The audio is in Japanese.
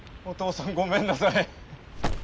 お義父さんごめんなさい。